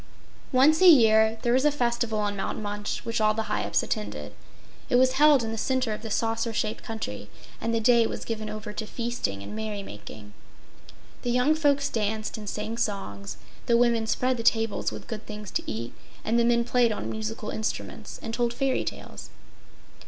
Once a year there was a festival on Mount Munch which all the Hyups attended. It was held in the center of the saucer shaped country, and the day was given over to feasting and merry making. The young folks danced and sang songs; the women spread the tables with good things to eat, and the men played on musical instruments and told fairy tales.